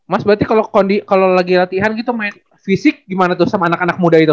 mas berarti kalo kondi kalo lagi latihan gitu main fisik gimana tuh sama anak anak muda gitu